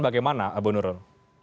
bagaimana bu nurul